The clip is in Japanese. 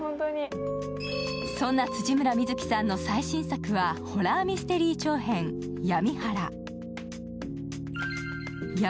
そんな辻村深月さんの最新作はホラーミステリー長編「闇祓」。